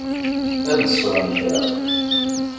Ad d-sɣen kra.